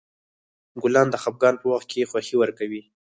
ګلان د خفګان په وخت خوښي ورکوي.